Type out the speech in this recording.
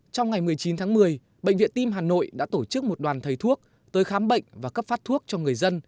trong ngày một mươi chín tháng một mươi bệnh viện tim hà nội đã tổ chức một đoàn thầy thuốc tới khám bệnh và cấp phát thuốc cho người dân